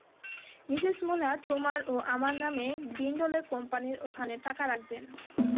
Mrs Muller তোমার ও আমার নামে গ্রিণ্ডলে কোম্পানীর ওখানে টাকা রাখবেন।